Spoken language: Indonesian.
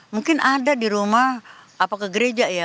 mungkin ada di rumah apa ke gereja ya